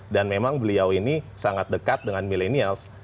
dan memang beliau ini sangat dekat dengan milenials